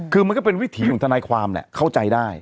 คือมันก็เป็นวิถีของทนายความเข้าใจได้